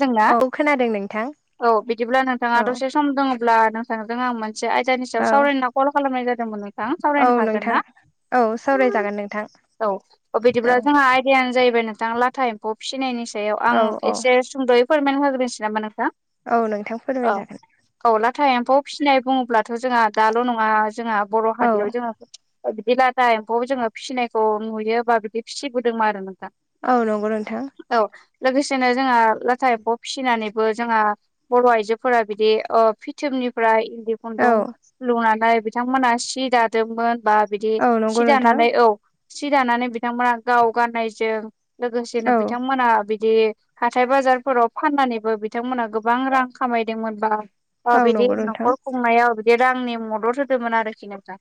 खोनादोंना? औ खोनादों नोंथां औ बिदिब्ला नोंथाङा औ दसे सम दङब्ला नोंथांजों आं मोन मोनसे आयदानि औ सायाव सावरायना कल खालामनाय जादोंमोन नोंथां औ सावरायनो हागोन नोंथां ना? औ सावरायजागोन नोंथां औ औ बिदिब्ला जोंहा आय दायानो जाहैबाय नोंथां लाथा एम्फौ फिसिनायनि सायाव औ आं औ एसे सुंद'यै फोरमान होग्रोनोसै नामा नोंथां औ नोंथां औ फोरमायजागोन औ लाथा एम्फौ फिसिनाय बुङोब्लाथ' जोंहा दाल' नोङा जोंहा बर' औ हारियाव जोङो बिदि लाथा एम्फौ जोङो फिसिनायखौ नुयो बा बिदि फिसिबोदोंमोन आरो नोंथा औ नंगौ नोंथां औ लोगोसेनो जोंहा लाथा एम्फौ फिसिनानैबो जोंहा बर' आइजोफोरा बिदि ओ फिथोबनिफ्राय इन्दि खुन्दुं औ लुनानै बिथांमोना सि दादोंमोन बा बिदि औ नंगौ सि नोंथां दानानै औ सि दानानै बिथांमोना गाव गाननायजों लोगोसेनो औ बिथांमोना बिदि हाथाय बाजारफोराव फाननानैबो बिथांमोनहा गोबां रां खामायदोंमोन बा ओ औ बिदि नंगौ नोंथां न'खर खुंनायाव बिदि रांनि मदद होदोंमोन आरोखि नोंथां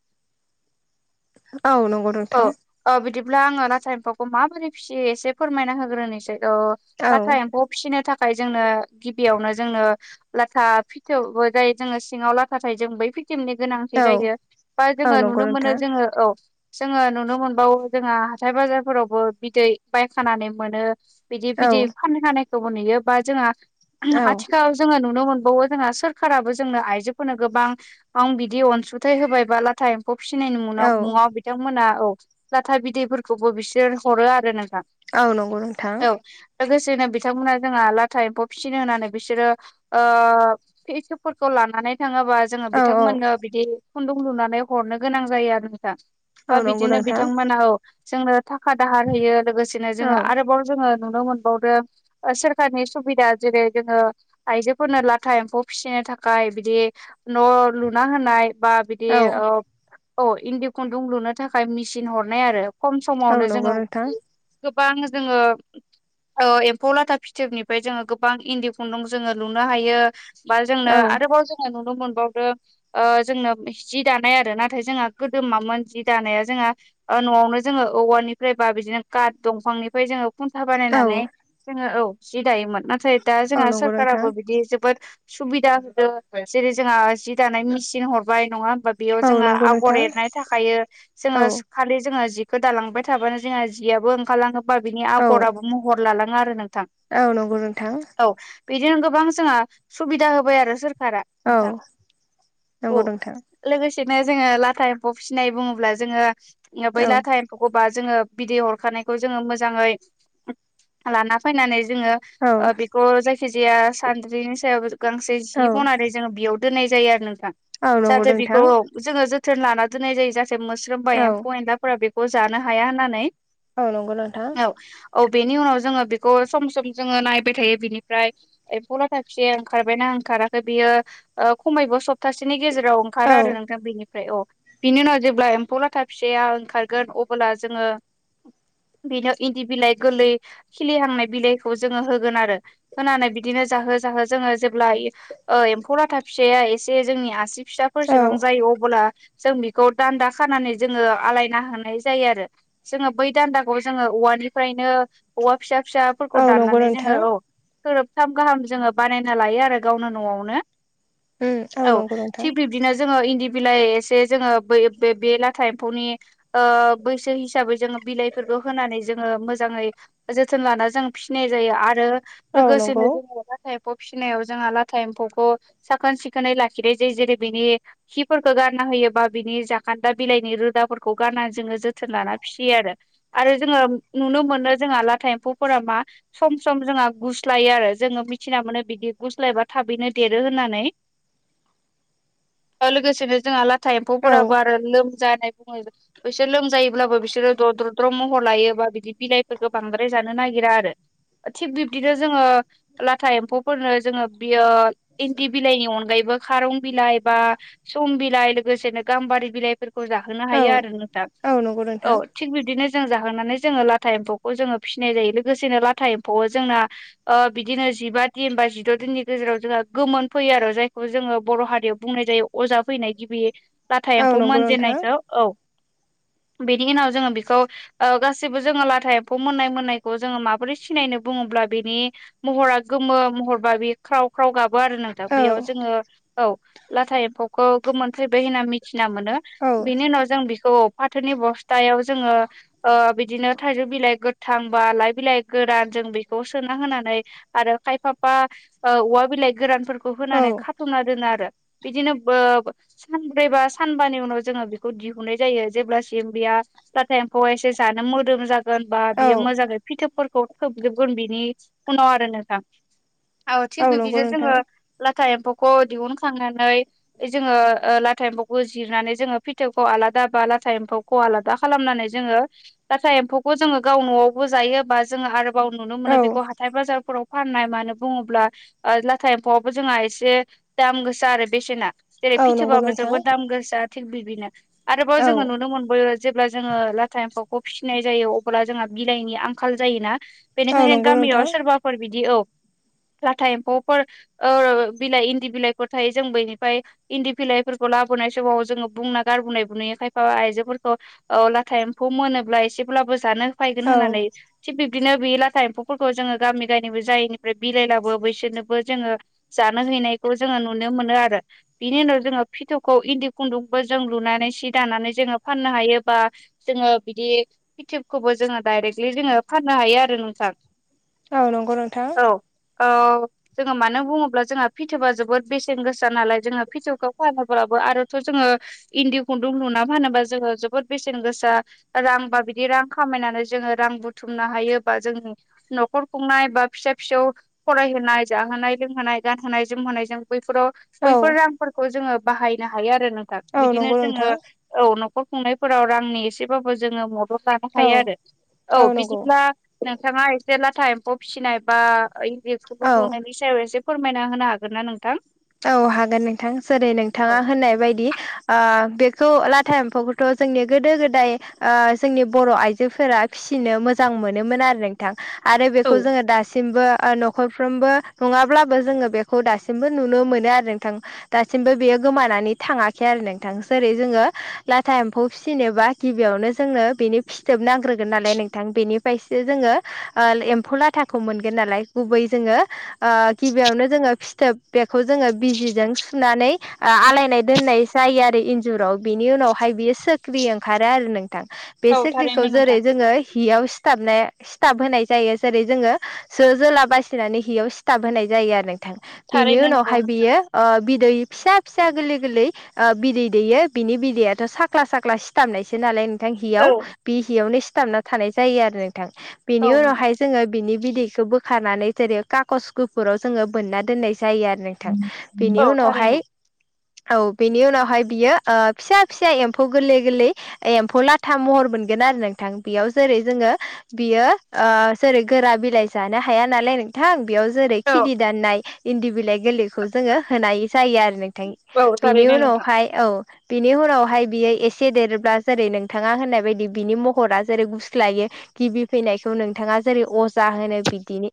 औ नंगौ औ नोंथां ओ बिदिब्ला आङो नाथाय एम्फौखौ माबोरै फिसियो एसे फोरमायना होग्रोनोसै अ औ बाथा एम्फौ फिसिनो थाखाय जोंनो गिबियावनो जोंनो लाथा फिथोबबो जाय जोङो सिङाव लाथा थायो जों बै फिथोबनि गोनां थि औ जायो बा औ जोङो नंगौ नुनो मोनो नोंथां जोङो औ जोङो नुनो मोनबावो जोंहा हाथाय बाजारफोरावबो बिदै बायखानानै मोनो बिदि औ बिदै फानखानायखौबो नुयो बा जोंहा औ औ जोङो नुनो मोनबावो जोंहा सोरखाराबो जोंनो आइजोफोरनो गोबां ओं बिदि अनसुंथाइ होबाय बा लाथा एम्फौ फिसिनायनि औ मुनाव मुंआव बि बिथांमोना औ लाथा बिदैफोरखौबो बिसोर हरो आरो नोंथां औ नंगौ नोंथां औ लोगोसेनो बिथांमोना जोंहा लाथा एम्फौ फिसिनो होनानै बिसोरो ओ फिसोबफोरखौ लानानै थाङोबा जोङो औ औ बिथांमोननो बिदि खुन्दुं लुनानै हरनो गोनां जायो आरो नोंथां बा औ नंगौ बिदिनो नोंथां बिथांमोना औ जोंनो थाखा दाहार होयो लोगोसेनो औ जोङो आरोबाव जोङो नुनो मोनबावदों ओसोरखारनि सुबिदा जेरै जोङो आइजोफोरनो लाथा एम्फौ फिसिनो थाखाय बिदि न' लुना होनाय बा बिदि औ ओब औ इन्दि खुन्दुं लुनो थाखाय मेसिन हरनाय आरो खम औ समावनो नंगौ जोङो नोंथां गोबां जोङो ओ एम्फौ लाथा फिथोबनिफ्राय जोङो गोबां इन्दि खुन्दुं जोङो लुनो हायो बा जोंनो औ आरोबाव जोङो नुनो मोनबावदों ओ जोंनो जि दानाय आरो नाथाय जोंहा गोदोमामोन जि दानाया जोंहा ओ न'आवनो जोङो औवानिफ्राय बा बिदिनो काट दंफांनिफ्राय जोङो खुन्था औ बानायनानै जोङो औ जि दायोमोन नाथाय दा औ जोंहा नंगौ नोंथां सोरखाराबो बिदि जोबोद सुबिदा होदो जेरै जोंहा जि दानाय मेसिन हरबाय नङा होमबा बेयाव औ जोङा नंगौ आगर नोंथां एरनाय थाखायो औ जोङो खालि जोङो जिखौ दालांबाय थाबानो जोंहा जियबो ओंखारलाङो बा बिनि औ आगराबो मह हर लालाङो आरो नोंथां औ नंगौ नोंथां औ बिदिनो गोबां जोंहा सुबिदा होबाय आरो सोरखारा औ नोंथां औ नंगौ नोंथां लोगोसेनो जोङो लाथा एम्फौ फिसिनाय बुङोब्ला जोङो बै औ लाथा फौखौ बा जोङो बिदै हरखानायखौ जोङो मोजाङै लाना फैनानै जोङो औ थ' जायखिजाया सानद्रिनि सायाव गांसे औ जि बनानै जोङो बियाव दोननाय जायो आरो नोंथां औ नंगौ जाहाथे नोंथां बेखौ औ जोङो जोथोन लाना दोननाय जायो जाहाथे मोस्रोम बा औ एम्फौ एनलाफोरा बेख खौ जानो हाया होननानै औ नंगौ नोंथां औ। औ बेनि उनाव जोङो बेखौ सम सम जोङो नायबाय थायो बिनिफ्राय एम्फौ लाथा फिसाया ओंखारबायना ओंखाराखै बियो खमैबो सप्तासेनि गेजेर राव औ ओंखारो आरो नोंथां बेनि फ्राय अ बिनि उनाव जेब्ला एम्फौ लाथा फिसाया ओंखारगोन अबोब्ला जोङो बिनियाव इन्दि बिलाइ गोरलै खिलिहांनाय बिलाइखौ जोङो होगोन आरो। होनानै बिदिनो जाहो जाहो जोङो जेब्ला इयो ओ एम्फौ लाथा फिसाया एसे जोंनि आसि औ फिसाफोरसेबां जायो अबोला जों बेखौ दान्दा खानानै जोङो आलायना होनाय जायो आरो। जोङो बै दान्दाखौ जोङो औवानिफ्रायनो औवा फिसा औ फिसाफोरखौ नंगौ दाननानै नोंथां जोङो औ थोरोबथाम गाहाम जोङो बानायना लायो आरो गावनो न'आवनो उम औ नंगौ नोंथां थिक बिब्दिनो जोङो इन्दि बिलाइ एसे जोङो बै बे लाथा एम्फौनि बैसो हिसाबै जोङो बिलाइफोरखौ होनानै जोङो मोजाङै जोथोन लाना जों फिनाय जायो आरो औ लोगोसेनो नंगौ जेनेबा लाथा एम्फौ फिनायाव जोंहा लाथा एम्फौखौ साखोन सिखोनै लाखिनाय जायो जेरै बेनि खिफोरखौ गारना होयोबा बिनि जाखान्दा बिलाइनि रोदाफोरखौ गाननानै जोङो जोथोन लाना फिसियो आरो। आरो जोङो नुनो मोनो जोंहा लाथा एम्फौफोरा मा सम सम जोंहा गुसु गुस्लायो आरो जोङो मिथिना मोनो बिदि गुस्लायबा थाबैनो देरो होननानै लोगोसेनो जोंहा लाथा औ एम्फौफोराबो आरो लोमजानाय [unintelligible] बिसोर लोमजायोब्लाबो बिसोरो दद्रद्र' महर लायोबा बिदि बिलाइफोरखौ बांद्राय जानो नागिरा आरो। थिग बिब्दिनो जोङो लाथा एम्फौफोरनो जोङो बियो इन्दि बिलाइनि अनगायैबो खारं बिलाइ बा सम बिलाइ लोगोसेनो गाम्बारि बिलाइफोर खौ जाहोनो औ हायो आरो नोंथां औ नंगौ औ नोंथां थि बिदिनो जों जाखांनानै जोङो लाथा एम्फौखौ जोङो फिनाय जायो लोगोसेनो लाथा एम्फौआव जोंना बिदिनो जिबा दिन बा जिद' दिननि गेजेराव जोंहा गोमोन फैयो आरो जायखौ जोङो बर' हारियाव बुंनाय जायो अजा फैनाय गिबि लाथा औ एम्फौ नंगौ नोंथां मोनजेनायखौ औ बेनि उनाव जोङो बेखौ गासिबो जोङो लाथा एम्फौ मोननाय मोननायखौ जोङो माबोरै सिनायनो बुङोब्ला बेनि महरा गोमो महरबा बे ख्राव ख्राव गाबो आरो नोंथां औ बेयाव जोङो औ लाथा एम्फौखौ गोमोन फैबाय होनना मिथिना मोनो औ बेनि उनाव जों बेखौ फाथोनि बस्थायाव जोङो बिदिनो थाइजौ बिलाइ गोथां बा लाइ बिलाइ गोरान जों बेखौ सोना होनानै आरो खायफाफा औवा बिलाइ गोरानफोरखौ होनानै खाथुमना दोनो आरो। बिदिनो बो सानब्रैबा सानबानि उनाव जोङो बेखौ दिहुनाय जायो जेब्लासिम बेया लाथा एम्फौआ एसे जानो मोदोम जा गोनबा औ औ बियो मोजाङै फिथोबफोरखौ थोबजोबगोन बिनि उनाव आरो नोंथां। औ थिग नंगौ बिदिनो जोङो नोंथां लाथा एम्फौखौ दिहुनखांनानै जोङो लाथा एम्फौखौ जिरनानै जोङो फिथौखौ आलादा बा लाथा एम्फौ ख आलादा खालामनानै जोङो लाथा एम्फौखौ जोङो गाव न'आवबो जायोबा जोङो आरो बाव नुनो औ मोनो बेखौ हाथाय बाजारफोराव फाननाय मानो बुङोब्ला ओ लाथा एम्फौआवबो जोंहा एसे दाम गोसा आरो बेसेना। जेरै औ नंगौ फिथोबाबो नोंथां जोबोद दाम गोसा थिग बिदिनो आरोबाव औ जोङो नुनो मोनबो जेब्ला जोङो लाथा एम्फौखौ फिसिनाय जायो अब्ला जोंहा बिलाइनि आंखाल जायोना औ बेनिखायनो नंगौ गामियाव नोंथां सोरबाफोर बिदि औ लाथा एम्फौफोर औ बिलाइ इन्दि बिलाइफोर थायो जों बैनिफाय इन्दि बिलाइफोरखौ लाबोनाय समाव जोङो बुंना गारबोनायबो नुयो खायफा आइजोफोरखौ औ लाथा एम्फौ मोनोब्ला एसेब्लाबो जानो फायगोन औ होननानै थिग बिब्दिनो बे लाथा एम्फौफोरखौ जोङो गामि गामिबो जायैनिफ्राय बिलाइलाबो बैसोरनोबो जोङो जानो हैनायखौ जोङो नुनो मोनो आरो बिनि उनाव जोङो फिथौखौ इन्दि खुन्दुंबो जों लुनानै सि दानानै जोङो फाननो हायो बा जोङो बिदि फिथोबखौबो जोङो डाइरेक्टलि जोङो फाननो हायो आरो नोंथां औ नोंगौ नोंथां औ जोङो मानो बुङोब्ला जोंहा फिथोबआ जोबोद बेसेन गोसा नालाय जोङो फिथौखौ फानोब्लाबो आरोथ' जोङो इन्दि खुन्दुं लुना फानोबा जोङो जोबोद बेसेन गोसा रां बा बिदि रां खामायनानै जोङो रां बुथुमनो हायोबा जोंनि नख नखर खुंनाय बा फिसा फिसौ फरायहोनाय जाहोनाय लोंहोनाय गानहोनाय जोमहोनायजों बैफोराव औ बैफोर रांफोरखौ जोङो बाहायनो हायो आरो नोंथां औ बिदिनो नंगौ जोङो नोंथां औ न'खर खुंनायफोराव रांनि एसेबाबो जोङो मद दद लानो औ हायो आरो औ बिदिब्ला नोंथाङा लाथा एम्फौ फिसिनाय बा इन्दि खुन्दुं औ लुनायनि सायाव एसे फोरमायना होनो हागोन ना नोंथां? औ हागोन नोंथां जेरै नोंथाङा औ होननाय बायदि आ बेखौ लाथा एम्फौ थ' जोंनि गोदो गोदाय ओ जोंनि बर' आइजोफोरा फिसिनो मोजां मोनोमोन आरो थां आरो औ बेखौ जोङो दासिमबो ओ न'खरफ्रोमबो नङाब्लाबो जोङो बेखौ दासिमबो नुनो मोनो आरो नोंथां दासिमबो बेयो गोमानानै थाङाखै आरो नोंथां जेरै जोङो लाथा एम्फौ फिसिनोबा गिबियावनो जोंनो बेनि फिथ खिथोब नांग्रोगोन नालाय नोंथां बेनिफ्रायसो जोङो ओ एम्फौ लाथाखौ मोनगोन नालाय गुबै जोङो ओ गिबियावनो जोङो फिथोब बेखौ जोङो बिजिजों सुनानै आ आलायनाय दोननाय जायो आरो इन्जुराव बिनि उनावहाय बियो सोख्रि ओंखारो आरो नोंथां बे औ सिख्रिखौ थारैनो नोंथां जेरै जोङो हियाव सिथाबनाय सिथाब होनाय जायो जेरै जोङो जो जोला बासिनानै हियाव सिथाब होनाय जायो आरो नोंथां बेनि थारैनो नंगौ उनावहाय नोंथां। बियो ओ बिदै फिसा फिसा गोरलै गोरलै ओ बिदै दैयो बिनि बिदैयाथ' साख्ला साख्ला सिथाबनायसो नालाय नोंथां हियाव औ बे हियावनो सिथाबना थानाय जायो आरो नोंथां बेनि औ नोंथां उनावहाय जोङो बिनि बिदैखौ बोखारनानै जेरै काकस गुफुराव जोङो बोनना दोननाय जा जायो आरो नोंथां औ बेनि थारैनो उनावहाय औ बेनि उनावहाय बियो ओ फिसा फिसा एम्फौ गोरलै गोरलै एम्फौ लाथा महर मोनगोन आरो नोंथां बेयाव जेरै जोङो बियो ओ जेरै गोरा बिलाइ जानो हाया नालाय नो थां बेयाव जेरै औ खिलि दाननाय इन्दि बिलाइ गोरै खौ जोङो होनाय जायो आरो नोंथां औ बेनि थारैनो नोंथां। उनावहाय औ बिनि उनावहाय बियो एसे देरोब्ला जेरै नोंथाङा होननाय बायदि बिनि महरा जेरै गुस्लायो गिबि फैनायखौ नोंथाङा जेरै अजा होनो बिदिनि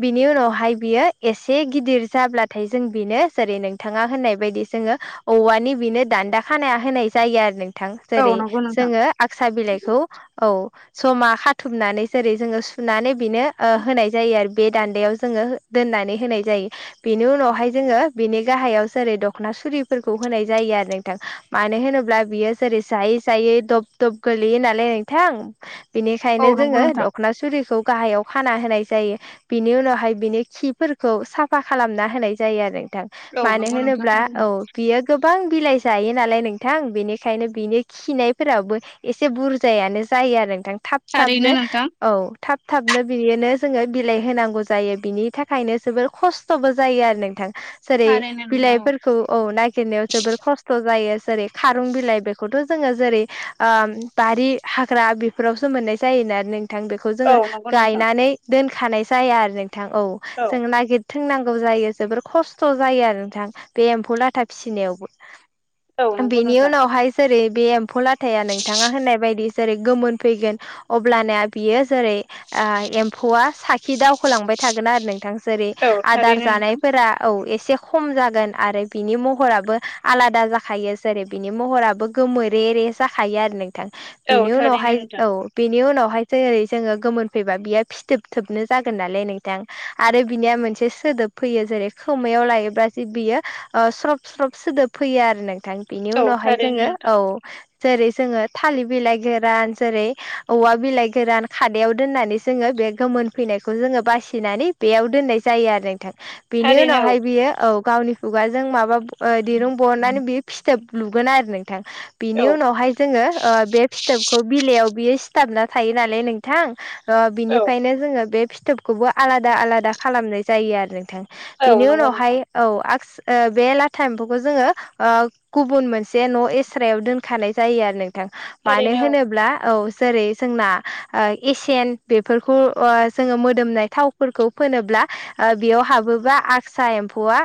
बिनि उनावहाय बियो एसे गिदिर जाब्लाथाय जों बिनो जेरै नोंथाङा होननाय बायदि जोङो औवानि बिनो दान्दा खानाया होनाय जायो आरो नोंथां औ जेरै नंगौ नोंथां जोङो आकसा बिलाइखौ औ जमा खाथुमनानै जेरै जोङो सुनानै बेनो ओ होनाय जायो आरो बे दान्दायाव जोङो दोननानै होनाय जायो। बेनि उनावहाय जोङो बिनि गाहायाव जेरै दखना सुरिफोरखौ होनाय जायो आरो नोंथां मानो होनोब्ला बियो जेरै जायै जायै दब दब गोलैयो नालाय नोंथां औ बिनिखायनो नंगौ जोङो नोंथां। दख'ना सुरिखौ गाहायाव खाना होनाय जायो बिनि उनावहाय बिनि खिफोरखौ साफ फा खालामना होनाय जायो आरो नोंथां औ मानो नंगौ नोंथां होनोब्ला थारैनो औ बियो गोबां बिलाइ जायो नालाय नोंथां बेनिखायनो बिनि खिनायफोराबो एसे बुरजायानो जायो आरो नोंथां थाब थारैनो थाबनो नोंथां। औ थाब थाबनो बिदिनो जोङो बिलाइ होनांगौ जायो बिनि थाखायनो जोबोर खस्थ'बो जायो आरो नोंथां जेरै थारैनो नोंथां बिलाइफोरखौ औ नागिरनायाव जोबोर खस्थ' जायो जेरै खारुं बिलाइ बेखौथ' जोङो जेरै बारि हाग्रा बेफोरावसो मोननाय जायोना आरो नोंथां बेखौ जों औ नंगौ नोंथां गायनानै दोनखानाय जाया आरो नोंथां औ जों नागिर थिंनांगौ जायो जोबोर खस्थ' जायो आरो नोंथां बे एम्फौ लाथा फिसिनायावबो औ नंगौ बिनि नोंथां उनावहाय जेरै बे एम्फौ लाथाया नोंथाङा होननाय बायदि जेरै गोमोन फैगोन अब्लाना बियो जेरै एम्फौआ साखि दावखोलांबाय थागोन आरो नों थां जेरै औ आदार थारैनो नोंथां जानायफोरा औ एसे खम जागोन आरो बिनि महराबो आलादा जाखायो जेरै बिनि महराबो गोमोरे रे जाखायो आरो नोंथां औ बिनि थारैनो उनावहाय नोंथां औ बिनि उनावहाय जै जोङो गोमोन फैबा बियो फि फिथोब थोबनो जागोन नालाय नोंथां आरो बिनिया मोनसे एसे सोदोब फैयो जेरै खोमायाव लायोब्ला ज बियो स्रब स्रब सोदोब फैयो आरो नोंथां बिनि औ उनावहाय थारैनो जोङो नोंथां औ जेरै जोङो थालिर बिलाइ गोरान जेरै औवा बिलाइ गोरान खादायाव दोननानै जोङो बे गोमोन फैनायखौ जोङो बासिनानै बेयाव दोननाय जायो आरो नोंथां बेनि थारैनो उनावहाय बियो औ गावनि खुगाजों माबा दिरुं बहनानै बेयो फिथोब लुगोन आरो नोंथां औ बिनि उनावहाय जोङो बे फिथोबखौ बिलाइयाव बियो सिथाबना थायो नालाय नोंथां औ बिनिफ्रायनो जोङो बे फिथोबखौबो आलादा आलादा खालामनाय जायो आरो नोंथां औ औ बिनि नंगौ नोंथां उनावहाय औ आ बे लाथा एम्फौखौ जोङो गुबुन मोनसे न' एस्रायाव दोनखानाय जायो आरो नोंथां मानो थारैनो होनोब्ला औ जेरै जोंना एसियेन बेफोरखौ जोङो मोदोमनाय थावफोरखौ फोनोब्ला बेयाव हाबोबा आगसा एम्फौआ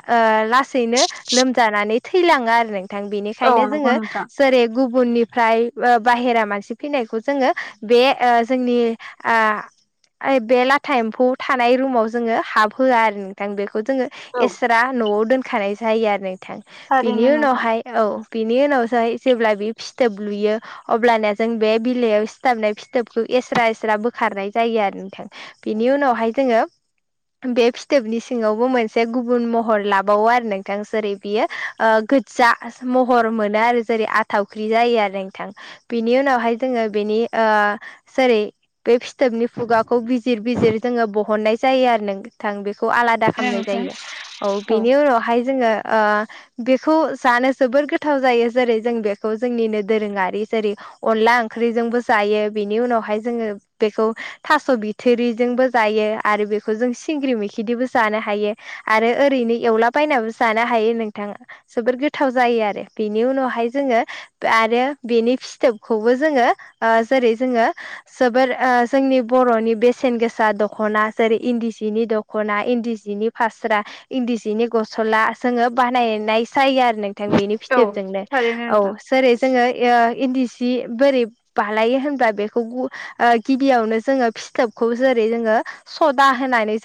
लासैनो लोमजानानै थैलाङो आरो नोंथां औ बेनिखायनो औ नंगौ जोङो नोंथां जेरै गुबुननिफ्राय बाहेरा मानसि फैनायखौ जोङो बे जोंनि आ बे लाथा एम्फौ थानाय रुमाव जोङो हाबहोआ आरो नोंथां बेखौ जोङो औ एस्रा न'आव दोनखानाय जायो आरो नोंथां बिनि थारैनो नोंथां। उनावहाय औ बिनि उनावसो जेब्ला बे फिथोब लुयो अब्लाना जों बे बिलाइयाव सिथाबनाय फिथोबखौ एस्रा एस्रा बोखारनाय जायो आरो नोंथां बिनि उनावहाय जोङो बे फिथोबनि सिङावबो मोनसे गुबुन महर लाबावो आरो नोंथां जेरै बियो ओ जा महर मोनो आरो जेरै आथावख्रि जायो आरो नोंथां बेनि उनावहाय जोङो बेनि ओ जेरै बे फिथोबनि खुगाखौ बिजिर बिजिर जोङो बहननाय जायो आरो नोंथां बेखौ आलादा खालामनाय नोंथां जायो औ बेनि उनावहाय जोङो बेखौ जानो जोबोर गोथाव जायो जेरै जों बेखौ जोंनिनो दोरोङारि जेरै अनला ओंख्रिजोंबो जायो बिनि उनावहाय जोङो बेखौ थास' बिथुरिजोंबो जायो आरो बेखौ जों सिंग्रि मैखिदबो जानो हायो आरो ओरैनो एवला बायनाबो जानो हायो नोंथाङा जोबोर गोथाव जायो आरो बेनि उनावहाय जोङो आरो बेनि फिथोबखौबो जोङो जेरै जोङो जोबोोर जोंनि बर'नि बेसेन गोसा दख'ना जेरै इन्दि सिनि दख'ना इन्दि जिनि फास्रा इन्दि सिनि गस्ला जोङो बानायनाय जायो आरो न नथ बेनि औ फिथोबजोंनो थारैनो औ नोंथां। जेरै जोङो इन्दि सि बोरै बालायो होनबा बेखौ गिबियावनो जोङो फिथोबखौ जेरै जोङो सदा होनानै जों